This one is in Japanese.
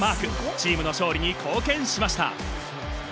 チームの勝利に貢献しました。